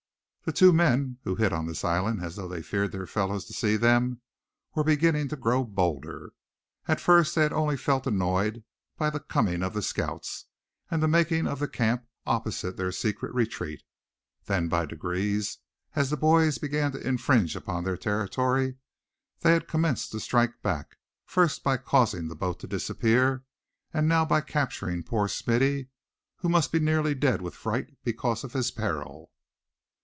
The two men who hid on this island as though they feared their fellows to see them, were beginning to grow bolder. At first they had only felt annoyed by the coming of the scouts, and the making of the camp opposite their secret retreat. Then, by degrees, as the boys began to infringe on their territory, they had commenced to strike back; first by causing the boat to disappear; and now by capturing poor Smithy, who must be nearly dead with fright because of his peril.